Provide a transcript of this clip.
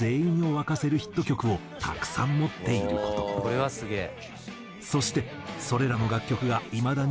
これはすげえ。